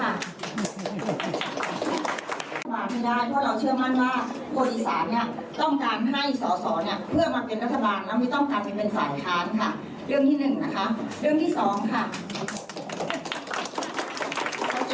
ขอบคุณเลยนะฮะคุณแพทองธานิปรบมือขอบคุณเลยนะฮะ